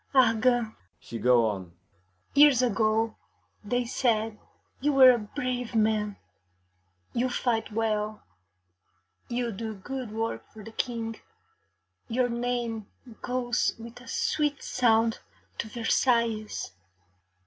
Argand,' she go on, 'years ago, they said you were a brave man; you fight well, you do good work for the King, your name goes with a sweet sound to Versailles.